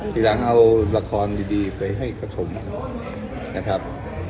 ทีหลังเอาละครดีไปให้กระชมนะครับ